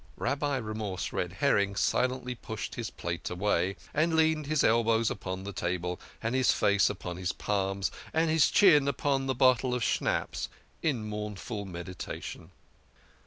Rabbi Remorse Red herring silently pushed his IN MOURNFUL MEDITATION." plate away, and leaned his elbows upon the table and his face upon his palms, and his chin upon the bottle of schnapps in mournful meditation.